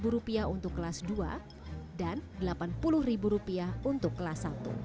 rp lima untuk kelas dua dan rp delapan puluh untuk kelas satu